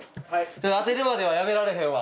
当てるまではやめられへんわ。